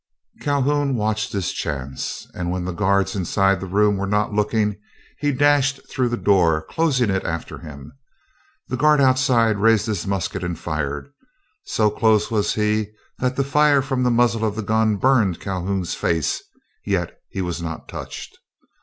Calhoun watched his chance, and when the guards inside the room were not looking, he dashed through the door, closing it after him. The guard outside raised his musket and fired. So close was he that the fire from the muzzle of the gun burned Calhoun's face, yet he was not touched.